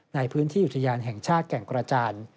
ในพื้นที่อุทยานแห่งชาติแก่งกระจาน